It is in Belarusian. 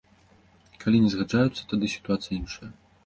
Калі не згаджаюцца, тады сітуацыя іншая.